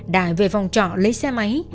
đại về phòng trọ lấy xe máy